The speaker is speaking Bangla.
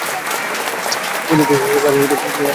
বলিয়া সে পাশের ঘরে গিয়া দ্বার রোধ করিল।